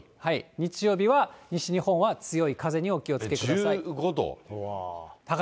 日曜日は西日本は強い風にお気をつけください。